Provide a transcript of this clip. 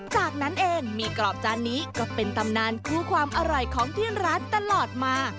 จากนั้นเองมีกรอบจานนี้ก็เป็นตำนานคู่ความอร่อยของที่ร้านตลอดมา